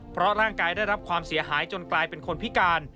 เพราะร่างกายได้รับความเสียหายจนกลายเป็นคนพิการ